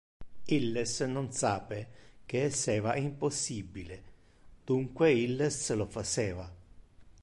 Illes non sape que esseva impossibile, dunque illes lo faceva.